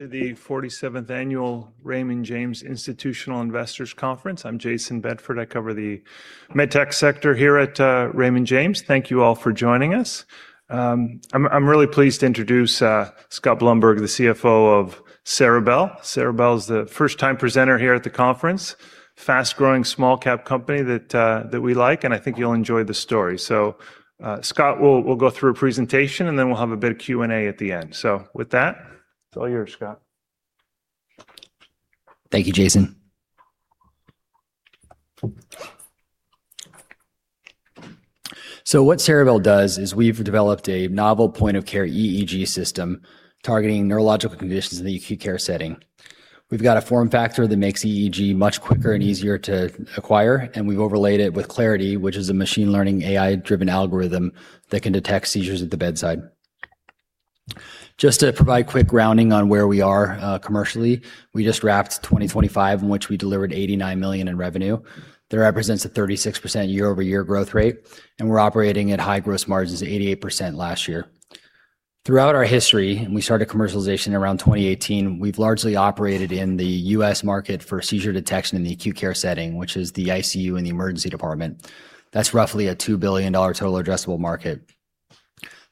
To the 47th Annual Raymond James Institutional Investors Conference. I'm Jayson Bedford. I cover the med tech sector here at Raymond James. Thank you all for joining us. I'm really pleased to introduce Scott Blumberg, the CFO of Ceribell. Ceribell's the first-time presenter here at the conference, fast-growing small cap company that we like, and I think you'll enjoy the story. Scott will go through a presentation, and then we'll have a bit of Q&A at the end. With that, it's all yours, Scott. Thank you, Jayson. What Ceribell does is we've developed a novel point-of-care EEG system targeting neurological conditions in the acute care setting. We've got a form factor that makes EEG much quicker and easier to acquire, and we've overlaid it with Clarity, which is a machine-learning AI-driven algorithm that can detect seizures at the bedside. Just to provide quick grounding on where we are commercially, we just wrapped 2025, in which we delivered $89 million in revenue. That represents a 36% year-over-year growth rate, and we're operating at high gross margins, 88% last year. Throughout our history, and we started commercialization around 2018, we've largely operated in the U.S. market for seizure detection in the acute care setting, which is the ICU and the Emergency Department. That's roughly a $2 billion total addressable market.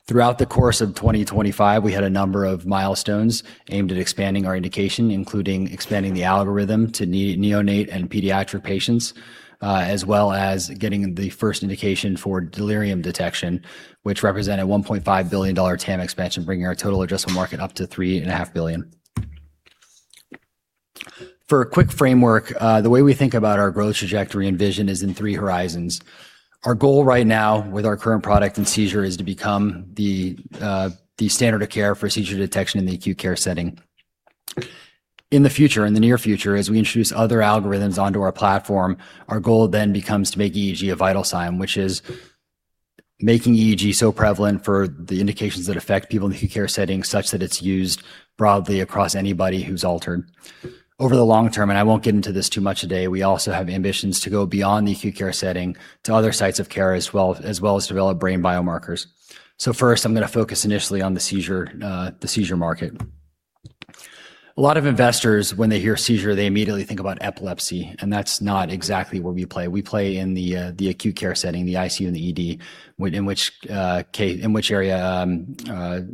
Throughout the course of 2025, we had a number of milestones aimed at expanding our indication, including expanding the algorithm to neonate and pediatric patients, as well as getting the first indication for delirium detection, which represented a $1.5 billion TAM expansion, bringing our total addressable market up to $3.5 billion. For a quick framework, the way we think about our growth trajectory and vision is in three horizons. Our goal right now with our current product and seizure is to become the standard of care for seizure detection in the acute care setting. In the future, in the near future, as we introduce other algorithms onto our platform, our goal then becomes to make EEG a vital sign, which is making EEG so prevalent for the indications that affect people in the acute care setting such that it's used broadly across anybody who's altered. Over the long term, and I won't get into this too much today, we also have ambitions to go beyond the acute care setting to other sites of care as well, as well as develop brain biomarkers. First, I'm gonna focus initially on the seizure, the seizure market. A lot of investors, when they hear seizure, they immediately think about epilepsy, and that's not exactly where we play. We play in the acute care setting, the ICU and the ED, in which in which area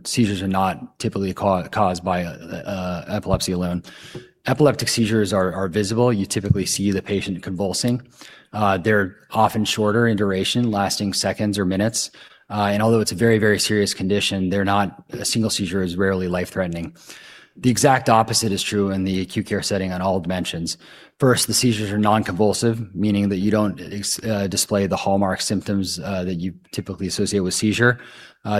seizures are not typically caused by epilepsy alone. Epileptic seizures are visible. You typically see the patient convulsing. They're often shorter in duration, lasting seconds or minutes. Although it's a very, very serious condition, they're not-- A single seizure is rarely life-threatening. The exact opposite is true in the acute care setting on all dimensions. First, the seizures are non-convulsive, meaning that you don't display the hallmark symptoms that you typically associate with seizure.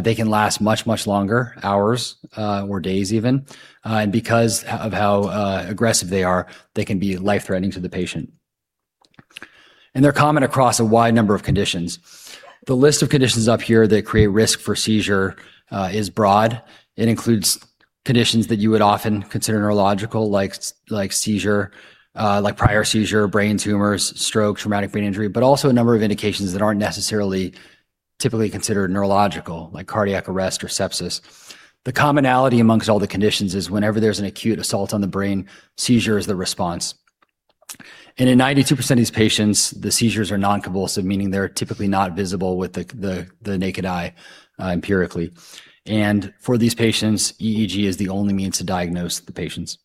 They can last much longer, hours or days even. Because of how aggressive they are, they can be life-threatening to the patient. They're common across a wide number of conditions. The list of conditions up here that create risk for seizure is broad. It includes conditions that you would often consider neurological, like seizure, like prior seizure, brain tumors, stroke, traumatic brain injury, but also a number of indications that aren't necessarily typically considered neurological, like cardiac arrest or sepsis. The commonality amongst all the conditions is whenever there's an acute assault on the brain, seizure is the response. In 92% of these patients, the seizures are non-convulsive, meaning they're typically not visible with the naked eye empirically. For these patients, EEG is the only means to diagnose the patients.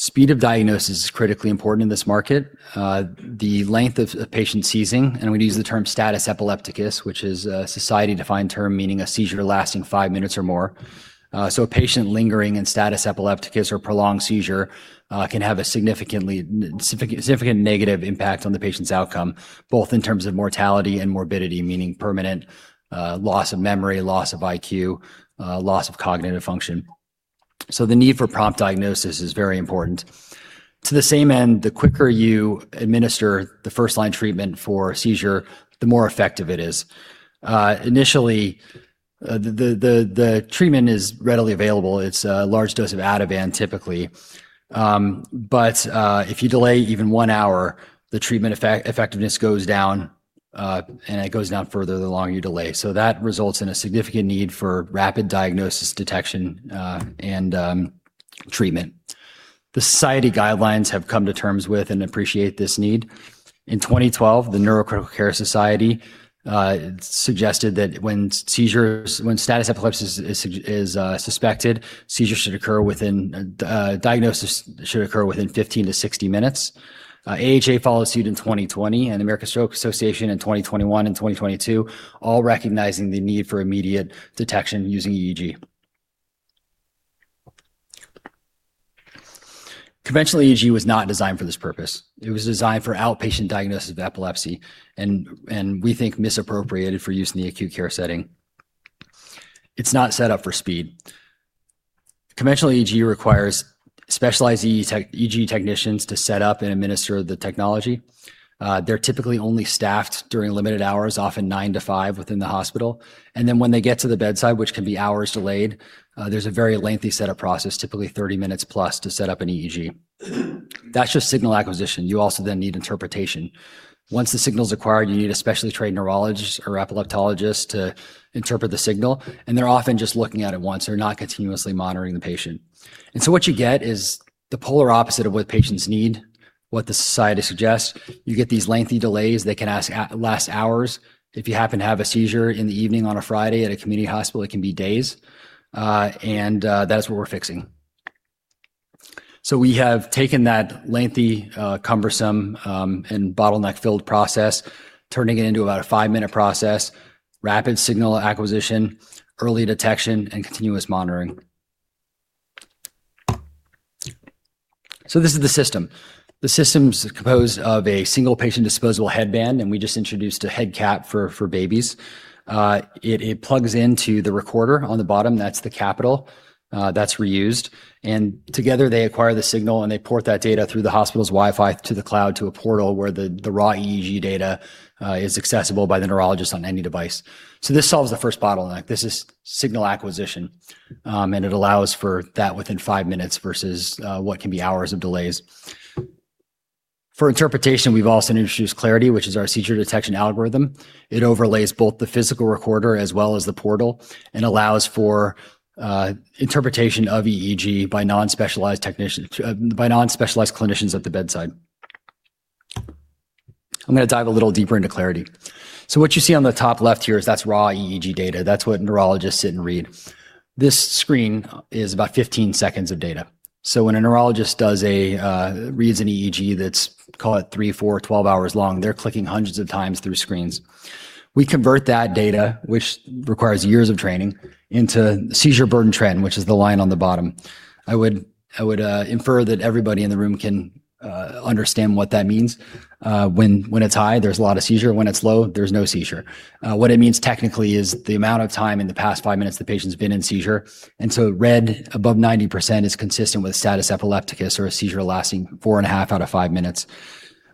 Speed of diagnosis is critically important in this market. The length of a patient seizing, and we use the term status epilepticus, which is a society-defined term meaning a seizure lasting 5-minutes or more. A patient lingering in status epilepticus or prolonged seizure can have a significant negative impact on the patient's outcome, both in terms of mortality and morbidity, meaning permanent loss of memory, loss of IQ, loss of cognitive function. The need for prompt diagnosis is very important. To the same end, the quicker you administer the first-line treatment for seizure, the more effective it is. Initially, the treatment is readily available. It's a large dose of Ativan, typically. If you delay even 1 hour, the treatment effectiveness goes down, and it goes down further the longer you delay. That results in a significant need for rapid diagnosis detection, and treatment. The society guidelines have come to terms with and appreciate this need. In 2012, the Neurocritical Care Society suggested that when status epilepticus is suspected, seizures should occur within diagnosis should occur within 15-60 minutes. AHA followed suit in 2020, and American Stroke Association in 2021 and 2022, all recognizing the need for immediate detection using EEG. Conventional EEG was not designed for this purpose. It was designed for outpatient diagnosis of epilepsy and we think misappropriated for use in the acute care setting. It's not set up for speed. Conventional EEG requires specialized EEG technicians to set up and administer the technology. They're typically only staffed during limited hours, often nine to five within the hospital. When they get to the bedside, which can be hours delayed, there's a very lengthy setup process, typically 30 minutes plus to set up an EEG. That's just signal acquisition. You also then need interpretation. Once the signal's acquired, you need a specially trained neurologist or epileptologist to interpret the signal, and they're often just looking at it once. They're not continuously monitoring the patient. What you get is the polar opposite of what patients need, what the society suggests. You get these lengthy delays that can last hours. If you happen to have a seizure in the evening on a Friday at a community hospital, it can be days, and that is what we're fixing. We have taken that lengthy, cumbersome, and bottleneck-filled process, turning it into about a 5-minute process, rapid signal acquisition, early detection, and continuous monitoring. This is the system. The system's composed of a single-patient disposable headband, and we just introduced a head cap for babies. It plugs into the recorder on the bottom. That's the capital that's reused. Together, they acquire the signal, and they port that data through the hospital's Wi-Fi to the cloud to a portal where the raw EEG data is accessible by the neurologist on any device. This solves the first bottleneck. This is signal acquisition, and it allows for that within 5-minutes versus what can be hours of delays. For interpretation, we've also introduced Clarity, which is our seizure detection algorithm. It overlays both the physical recorder as well as the portal and allows for interpretation of EEG by non-specialized clinicians at the bedside. I'm gonna dive a little deeper into Clarity. What you see on the top left here is that's raw EEG data. That's what neurologists sit and read. This screen is about 15-seconds of data. When a neurologist reads an EEG that's, call it three, four, 12-hours long, they're clicking hundreds of times through screens. We convert that data, which requires years of training, into seizure burden trend, which is the line on the bottom. I would infer that everybody in the room can understand what that means. When it's high, there's a lot of seizure. When it's low, there's no seizure. What it means technically is the amount of time in the past five minutes the patient's been in seizure. Red above 90% is consistent with status epilepticus or a seizure lasting four and a half out of five minutes.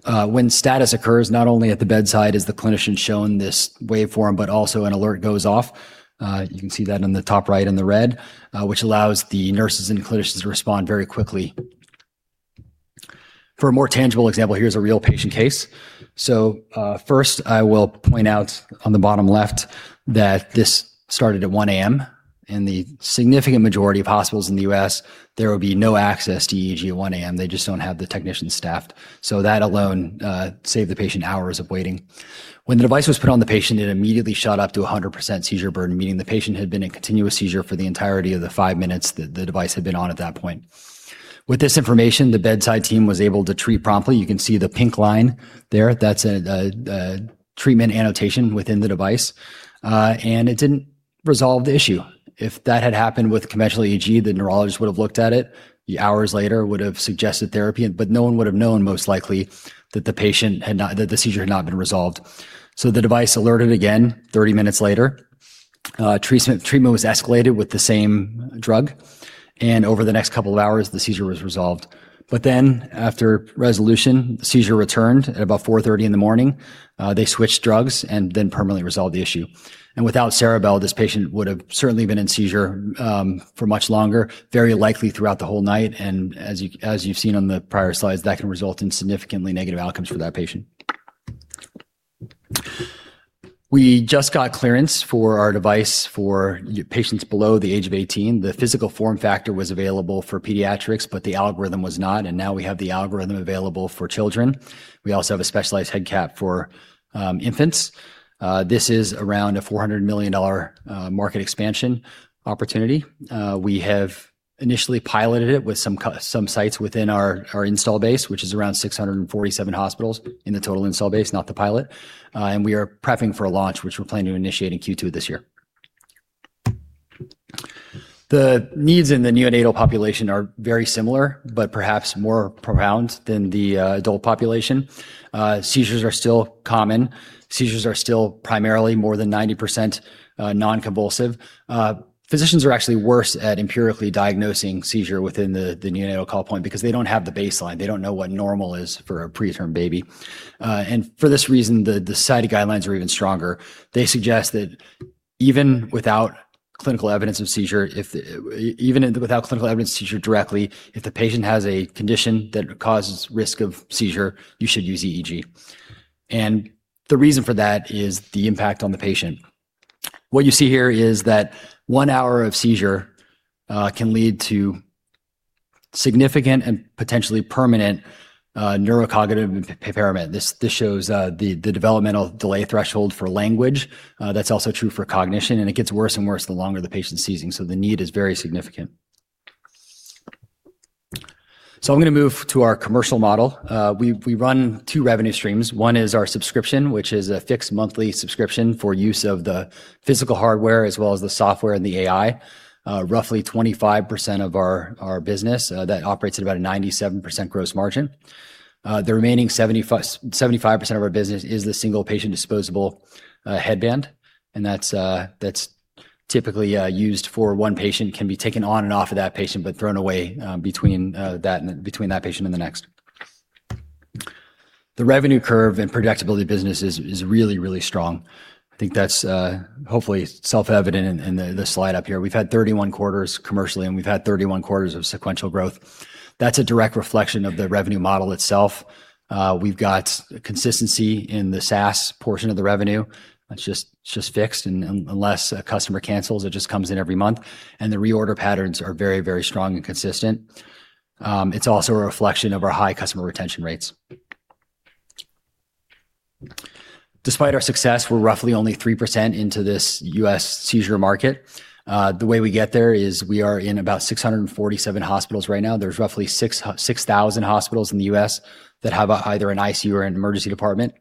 When status occurs, not only at the bedside is the clinician shown this waveform, but also an alert goes off, you can see that in the top right in the red, which allows the nurses and clinicians to respond very quickly. For a more tangible example, here's a real patient case. First, I will point out on the bottom left that this started at 1:00 A.M. In the significant majority of hospitals in the U.S., there would be no access to EEG at 1:00 A.M. They just don't have the technicians staffed. That alone, saved the patient hours of waiting. When the device was put on the patient, it immediately shot up to 100% seizure burden, meaning the patient had been in continuous seizure for the entirety of the 5-minutes the device had been on at that point. With this information, the bedside team was able to treat promptly. You can see the pink line there. That's the treatment annotation within the device. It didn't resolve the issue. If that had happened with conventional EEG, the neurologist would have looked at it, hours later would have suggested therapy. No one would have known most likely that the seizure had not been resolved. The device alerted again 30-minutes later. Treatment was escalated with the same drug. Over the next couple of hours, the seizure was resolved. After resolution, the seizure returned at about 4:30 A.M. They switched drugs and then permanently resolved the issue. Without Ceribell, this patient would have certainly been in seizure, for much longer, very likely throughout the whole night, and as you've seen on the prior slides, that can result in significantly negative outcomes for that patient. We just got clearance for our device for patients below the age of 18. The physical form factor was available for pediatrics, but the algorithm was not, and now we have the algorithm available for children. We also have a specialized head cap for infants. This is around a $400 million market expansion opportunity. We have initially piloted it with some sites within our install base, which is around 647 hospitals in the total install base, not the pilot. We are prepping for a launch, which we're planning to initiate in Q2 this year. The needs in the neonatal population are very similar, but perhaps more profound than the adult population. Seizures are still common. Seizures are still primarily more than 90%, non-convulsive. Physicians are actually worse at empirically diagnosing seizure within the neonatal call point because they don't have the baseline. They don't know what normal is for a preterm baby. For this reason, the society guidelines are even stronger. They suggest that even without clinical evidence of seizure, if, even without clinical evidence of seizure directly, if the patient has a condition that causes risk of seizure, you should use EEG. The reason for that is the impact on the patient. What you see here is that 1-hour of seizure can lead to significant and potentially permanent neurocognitive impairment. This shows the developmental delay threshold for language. That's also true for cognition, and it gets worse and worse the longer the patient's seizing, so the need is very significant. I'm gonna move to our commercial model. We run two revenue streams. One is our subscription, which is a fixed monthly subscription for use of the physical hardware as well as the software and the AI. Roughly 25% of our business that operates at about a 97% gross margin. The remaining 75% of our business is the single-patient disposable headband, and that's typically used for one patient, can be taken on and off of that patient, but thrown away between that patient and the next. The revenue curve and predictability of business is really strong. I think that's hopefully self-evident in the slide up here. We've had 31 quarters commercially. We've had 31 quarters of sequential growth. That's a direct reflection of the revenue model itself. We've got consistency in the SaaS portion of the revenue. It's just fixed. Unless a customer cancels, it just comes in every month. The reorder patterns are very strong and consistent. It's also a reflection of our high customer retention rates. Despite our success, we're roughly only 3% into this U.S. seizure market. The way we get there is we are in about 647 hospitals right now. There's roughly 6,000 hospitals in the U.S. that have either an ICU or an Emergency Department,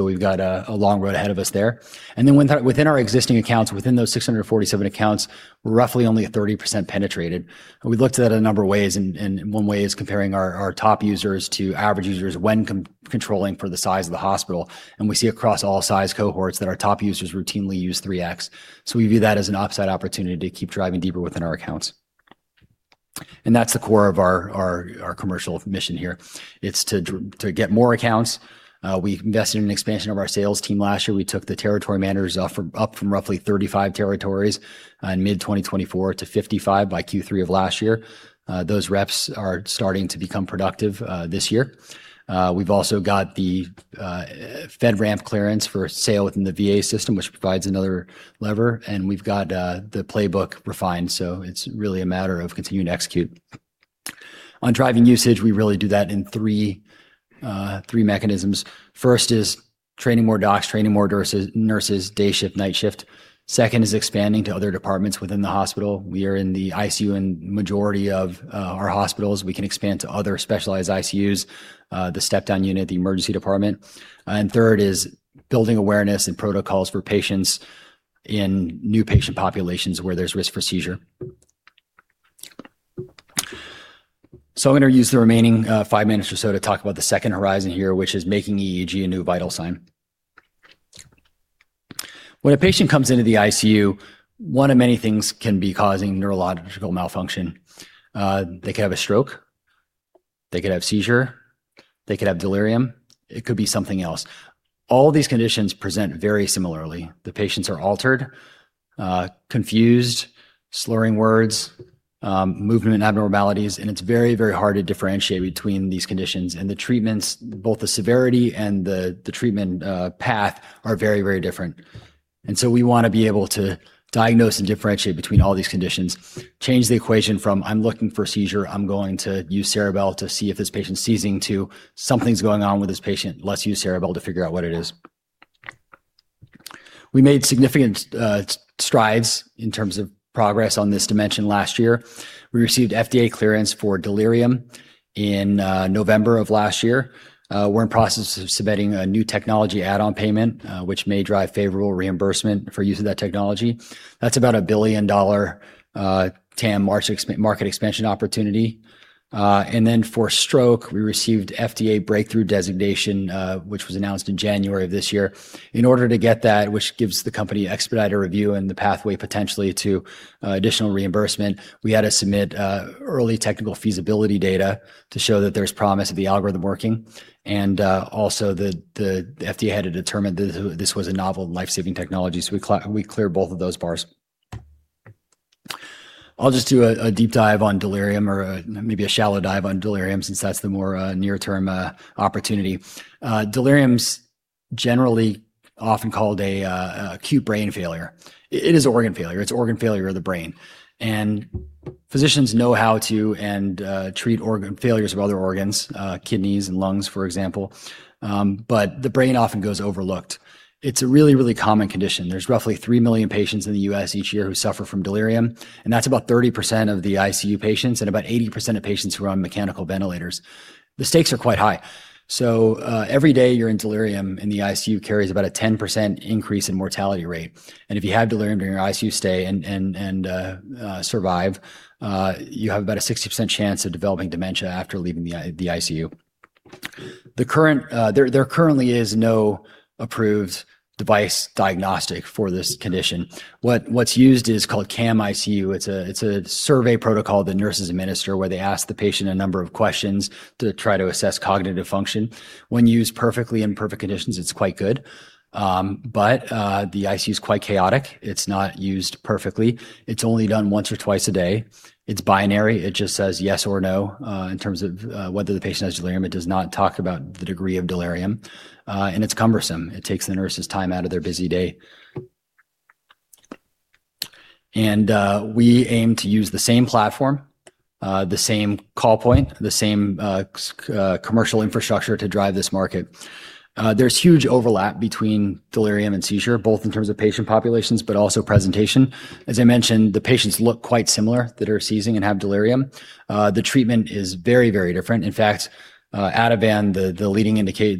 we've got a long road ahead of us there. Within our existing accounts, within those 647 accounts, we're roughly only at 30% penetrated. We've looked at that a number of ways, and one way is comparing our top users to average users when controlling for the size of the hospital. We see across all size cohorts that our top users routinely use 3X. We view that as an upside opportunity to keep driving deeper within our accounts. That's the core of our commercial mission here. It's to get more accounts. We invested in an expansion of our sales team last year. We took the territory managers up from roughly 35 territories in mid 2024 to 55 by Q3 of last year. Those reps are starting to become productive this year. We've also got the FedRAMP clearance for sale within the VA system, which provides another lever, and we've got the playbook refined, it's really a matter of continuing to execute. On driving usage, we really do that in three mechanisms. First is training more docs, training more nurses, day shift, night shift. Second is expanding to other departments within the hospital. We are in the ICU in majority of our hospitals. We can expand to other specialized ICUs, the step-down unit, the Emergency Department. Third is building awareness and protocols for patients in new patient populations where there's risk for seizure. I'm gonna use the remaining five minutes or so to talk about the second horizon here, which is making EEG a new vital sign. When a patient comes into the ICU, one of many things can be causing neurological malfunction. They could have a stroke, they could have seizure, they could have delirium, it could be something else. All these conditions present very similarly. The patients are altered, confused, slurring words, movement abnormalities, and it's very, very hard to differentiate between these conditions and the treatments. Both the severity and the treatment path are very, very different. We wanna be able to diagnose and differentiate between all these conditions, change the equation from, "I'm looking for a seizure, I'm going to use Ceribell to see if this patient's seizing," to, "Something's going on with this patient. Let's use Ceribell to figure out what it is." We made significant strides in terms of progress on this dimension last year. We received FDA clearance for delirium in November of last year. We're in process of submitting a New Technology Add-on Payment, which may drive favorable reimbursement for use of that technology. That's about a billion-dollar TAM market expansion opportunity. Then for stroke, we received FDA breakthrough designation, which was announced in January of this year. In order to get that, which gives the company expedited review and the pathway potentially to additional reimbursement, we had to submit early technical feasibility data to show that there's promise of the algorithm working, also the FDA had to determine that this was a novel life-saving technology, so we cleared both of those bars. I'll just do a deep dive on delirium or maybe a shallow dive on delirium since that's the more near-term opportunity. Delirium's generally often called a acute brain failure. It is organ failure. It's organ failure of the brain. Physicians know how to and treat organ failures of other organs, kidneys and lungs, for example, but the brain often goes overlooked. It's a really common condition. There's roughly 3 million patients in the U.S. each year who suffer from delirium, that's about 30% of the ICU patients and about 80% of patients who are on mechanical ventilators. The stakes are quite high. Every day you're in delirium in the ICU carries about a 10% increase in mortality rate. If you have delirium during your ICU stay and survive, you have about a 60% chance of developing dementia after leaving the ICU. There currently is no approved device diagnostic for this condition. What's used is called CAM-ICU. It's a survey protocol the nurses administer where they ask the patient a number of questions to try to assess cognitive function. When used perfectly in perfect conditions, it's quite good. The ICU's quite chaotic. It's not used perfectly. It's only done once or twice a day. It's binary. It just says yes or no, in terms of whether the patient has delirium. It does not talk about the degree of delirium. It's cumbersome. It takes the nurses time out of their busy day. We aim to use the same platform, the same call point, the same commercial infrastructure to drive this market. There's huge overlap between delirium and seizure, both in terms of patient populations, but also presentation. As I mentioned, the patients look quite similar that are seizing and have delirium. The treatment is very, very different. In fact, Ativan,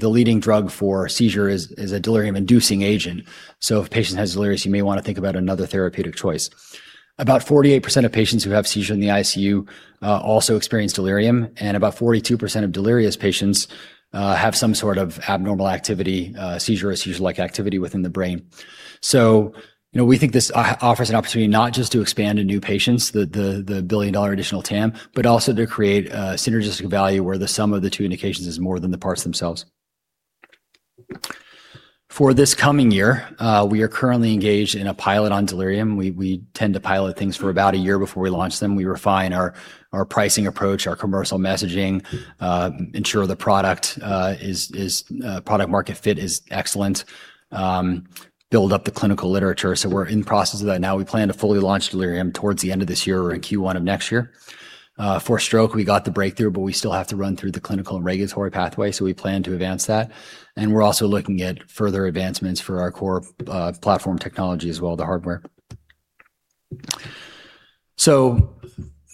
the leading drug for seizure is a delirium-inducing agent. If a patient has delirium, you may wanna think about another therapeutic choice. About 48% of patients who have seizure in the ICU also experience delirium, and about 42% of delirious patients have some sort of abnormal activity, seizure, a seizure-like activity within the brain. You know, we think this offers an opportunity not just to expand to new patients, the billion-dollar additional TAM, but also to create synergistic value where the sum of the two indications is more than the parts themselves. For this coming year, we are currently engaged in a pilot on delirium. We tend to pilot things for about a year before we launch them. We refine our pricing approach, our commercial messaging, ensure the product is product market fit is excellent, build up the clinical literature. We're in the process of that now. We plan to fully launch delirium towards the end of this year or in Q1 of next year. For stroke, we got the breakthrough, we still have to run through the clinical and regulatory pathway, we plan to advance that. We're also looking at further advancements for our core platform technology as well, the hardware.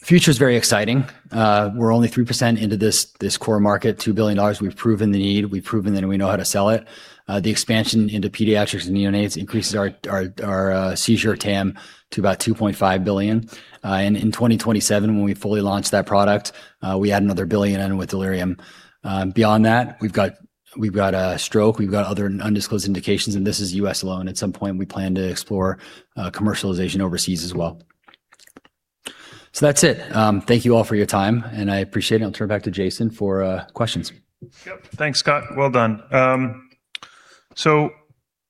Future's very exciting. We're only 3% into this core market, $2 billion. We've proven the need. We've proven that we know how to sell it. The expansion into pediatrics and neonates increases our seizure TAM to about $2.5 billion. In 2027, when we fully launch that product, we add another $1 billion in with delirium. Beyond that, we've got stroke, we've got other undisclosed indications, this is U.S. alone. At some point, we plan to explore commercialization overseas as well. That's it. Thank you all for your time, and I appreciate it. I'll turn it back to Jayson for questions. Yep. Thanks, Scott. Well done.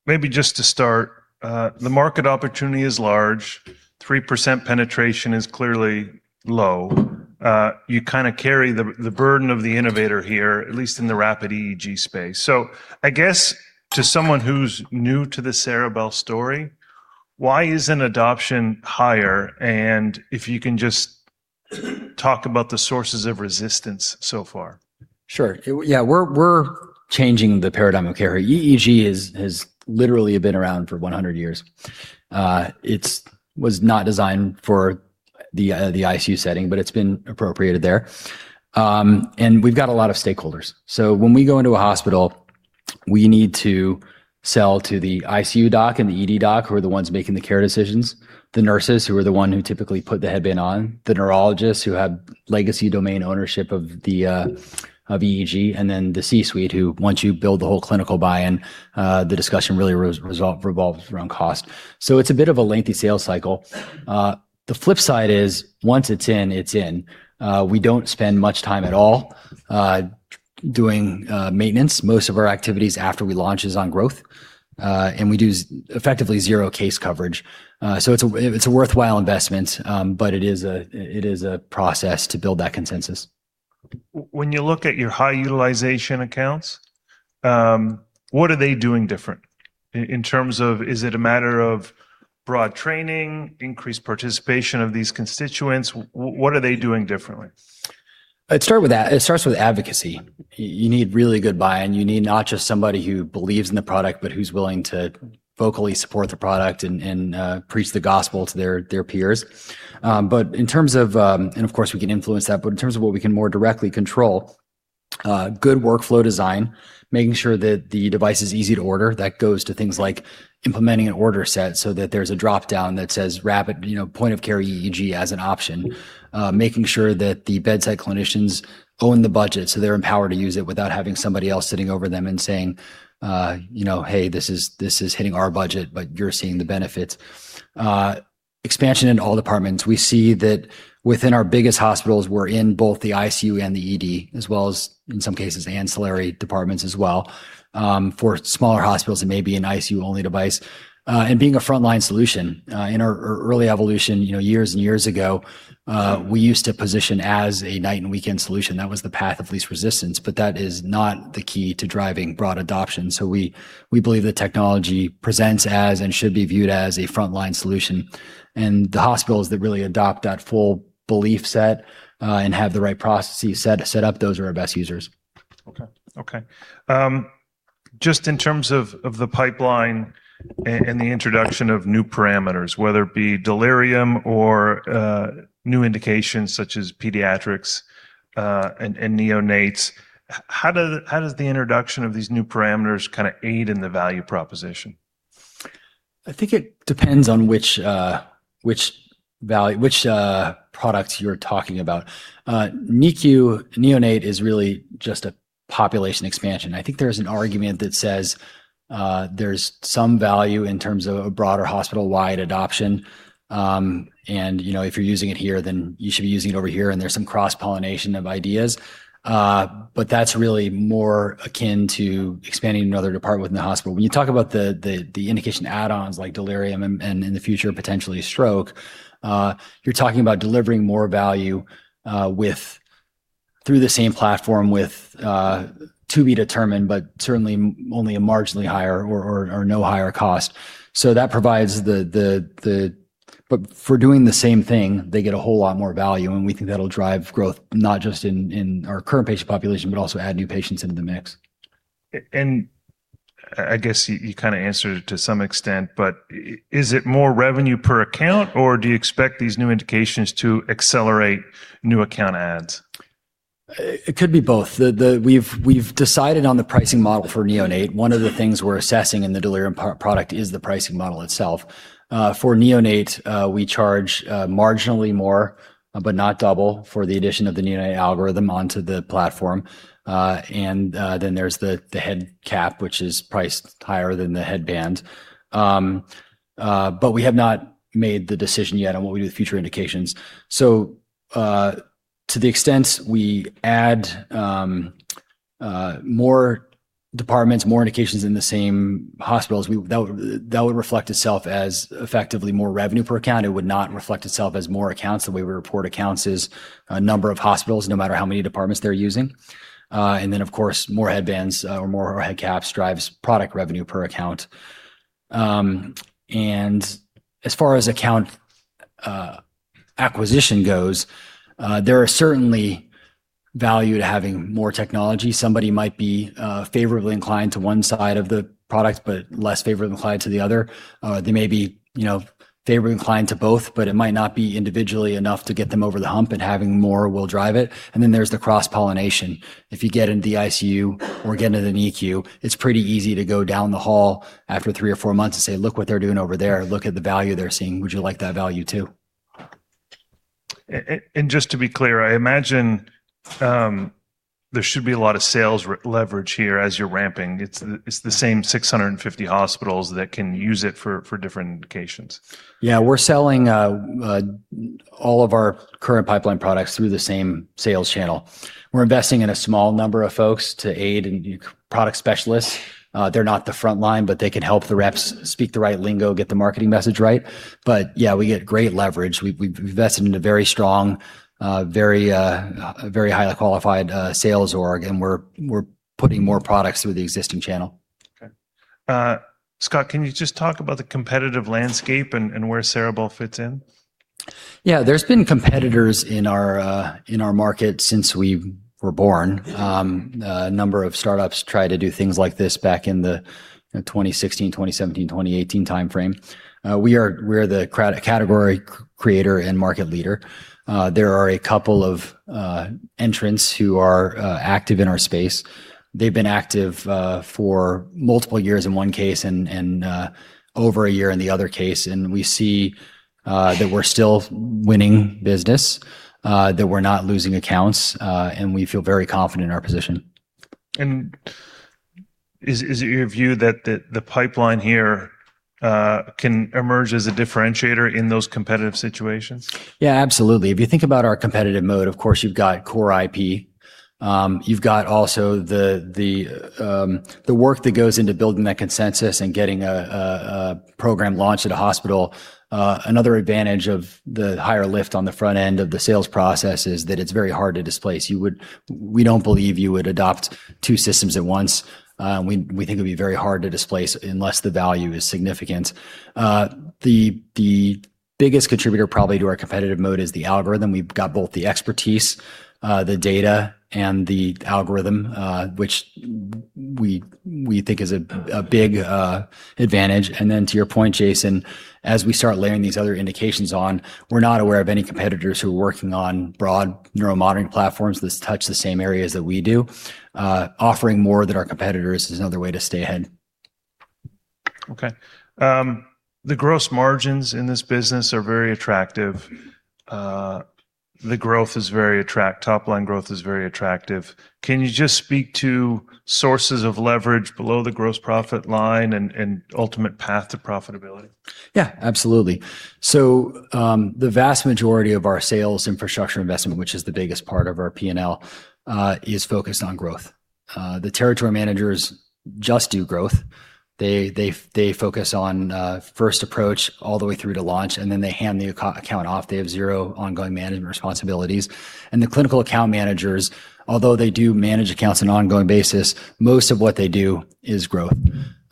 maybe just to start, the market opportunity is large, 3% penetration is clearly low. you kinda carry the burden of the innovator here, at least in the rapid EEG space. I guess to someone who's new to the Ceribell story, why isn't adoption higher? if you can just talk about the sources of resistance so far. Sure. Yeah, we're changing the paradigm of care. EEG has literally been around for 100 years. It was not designed for the ICU setting, but it's been appropriated there. We've got a lot of stakeholders. When we go into a hospital, we need to sell to the ICU doc and the ED doc, who are the ones making the care decisions, the nurses, who are the one who typically put the headband on, the neurologists, who have legacy domain ownership of the EEG, and then the C-suite, who once you build the whole clinical buy-in, the discussion really revolves around cost. It's a bit of a lengthy sales cycle. The flip side is once it's in, it's in. We don't spend much time at all, doing maintenance. Most of our activities after we launch is on growth. We do effectively zero case coverage. It's a worthwhile investment. It is a process to build that consensus. When you look at your high utilization accounts, what are they doing different in terms of is it a matter of broad training, increased participation of these constituents? What are they doing differently? I'd start with that. It starts with advocacy. You need really good buy-in. You need not just somebody who believes in the product, but who's willing to vocally support the product and preach the gospel to their peers. Of course, we can influence that, but in terms of what we can more directly control, good workflow design, making sure that the device is easy to order. That goes to things like implementing an order set so that there's a dropdown that says rapid, you know, point-of-care EEG as an option. Making sure that the bedside clinicians own the budget, so they're empowered to use it without having somebody else sitting over them and saying, you know, "Hey, this is hitting our budget, but you're seeing the benefits." Expansion into all departments. We see that within our biggest hospitals, we're in both the ICU and the ED, as well as, in some cases, ancillary departments as well. For smaller hospitals, it may be an ICU-only device. Being a frontline solution. In our early evolution, you know, years and years ago, we used to position as a night and weekend solution. That was the path of least resistance, but that is not the key to driving broad adoption. We believe the technology presents as and should be viewed as a frontline solution. The hospitals that really adopt that full belief set and have the right processes set up, those are our best users. Okay. Okay. Just in terms of the pipeline and the introduction of new parameters, whether it be delirium or new indications such as pediatrics and neonates, how does the introduction of these new parameters kinda aid in the value proposition? I think it depends on which product you're talking about. NICU, neonate is really just a population expansion. I think there's an argument that says, there's some value in terms of a broader hospital-wide adoption, and, you know, if you're using it here, then you should be using it over here, and there's some cross-pollination of ideas. But that's really more akin to expanding another department within the hospital. When you talk about the indication add-ons like delirium and in the future, potentially stroke, you're talking about delivering more value through the same platform with to be determined, but certainly only a marginally higher or, or no higher cost. That provides the-- For doing the same thing, they get a whole lot more value, and we think that'll drive growth, not just in our current patient population, but also add new patients into the mix. I guess you kinda answered it to some extent, but is it more revenue per account, or do you expect these new indications to accelerate new account adds? It could be both. The We've decided on the pricing model for neonate. One of the things we're assessing in the delirium product is the pricing model itself. For neonate, we charge marginally more, but not double, for the addition of the neonate algorithm onto the platform. And then there's the head cap, which is priced higher than the headband. But we have not made the decision yet on what we do with future indications. To the extent we add more departments, more indications in the same hospitals, that would reflect itself as effectively more revenue per account. It would not reflect itself as more accounts. The way we report accounts is a number of hospitals, no matter how many departments they're using. Of course, more headbands or more head caps drives product revenue per account. As far as account acquisition goes, there are certainly value to having more technology. Somebody might be favorably inclined to one side of the product, but less favorably inclined to the other. They may be, you know, favorably inclined to both, but it might not be individually enough to get them over the hump and having more will drive it. There's the cross-pollination. If you get into the ICU or get into an ED, it's pretty easy to go down the hall after three or four months and say, "Look what they're doing over there. Look at the value they're seeing. Would you like that value too? Just to be clear, I imagine, there should be a lot of sales leverage here as you're ramping. It's the same 650 hospitals that can use it for different indications. Yeah. We're selling, all of our current pipeline products through the same sales channel. We're investing in a small number of folks to aid, and product specialists. They're not the front line, but they can help the reps speak the right lingo, get the marketing message right. Yeah, we get great leverage. We've invested in a very strong, very highly qualified, sales org, and we're putting more products through the existing channel. Okay. Scott, can you just talk about the competitive landscape and where Ceribell fits in? Yeah. There's been competitors in our in our market since we were born. A number of startups tried to do things like this back in the 2016, 2017, 2018 timeframe. We're the category creator and market leader. There are a couple of entrants who are active in our space. They've been active for multiple years in one case and over a year in the other case. We see that we're still winning business, that we're not losing accounts, and we feel very confident in our position. Is it your view that the pipeline here can emerge as a differentiator in those competitive situations? Absolutely. If you think about our competitive mode, of course, you've got core IP. You've got also the work that goes into building that consensus and getting a program launched at a hospital. Another advantage of the higher lift on the front end of the sales process is that it's very hard to displace. We don't believe you would adopt two systems at once. We think it'd be very hard to displace unless the value is significant. The biggest contributor probably to our competitive mode is the algorithm. We've got both the expertise, the data and the algorithm, which we think is a big advantage. To your point, Jayson, as we start layering these other indications on, we're not aware of any competitors who are working on broad neuromonitoring platforms that touch the same areas that we do. Offering more than our competitors is another way to stay ahead. Okay. The gross margins in this business are very attractive. Top line growth is very attractive. Can you just speak to sources of leverage below the gross profit line and ultimate path to profitability? Yeah, absolutely. The vast majority of our sales infrastructure investment, which is the biggest part of our P&L, is focused on growth. The territory managers just do growth. They focus on first approach all the way through to launch, then they hand the account off. They have zero ongoing management responsibilities. The clinical account managers, although they do manage accounts on an ongoing basis, most of what they do is growth.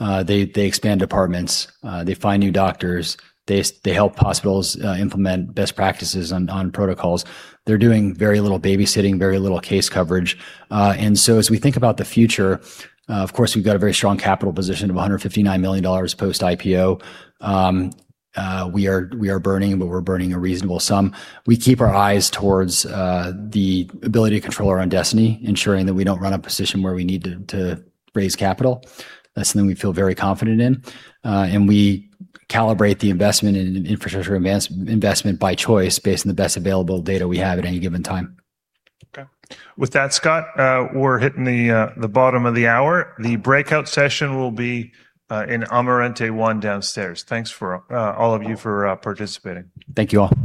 They expand departments, they find new doctors, they help hospitals implement best practices on protocols. They're doing very little babysitting, very little case coverage. As we think about the future, of course, we've got a very strong capital position of $159 million post IPO. We are burning, but we're burning a reasonable sum. We keep our eyes towards the ability to control our own destiny, ensuring that we don't run a position where we need to raise capital. That's something we feel very confident in. We calibrate the investment in an infrastructure investment by choice based on the best available data we have at any given time. Okay. With that, Scott, we're hitting the bottom of the hour. The breakout session will be in Amarante I downstairs. Thanks for all of you for participating. Thank you all.